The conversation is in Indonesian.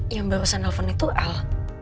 yang beri pesan nelfon itu al